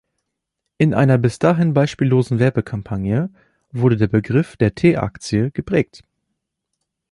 In einer bis dahin beispiellosen Werbekampagne wurde der Begriff der "T-Aktie" geprägt.